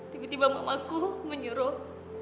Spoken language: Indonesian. tiba tiba mamaku menyuruh